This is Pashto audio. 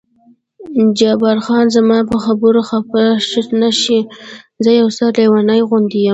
جبار خان: زما په خبرو خفه نه شې، زه یو څه لېونی غوندې یم.